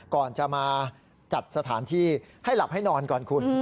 ก่อนจะมาจัดสถานที่ให้หลับให้นอนก่อนคุณ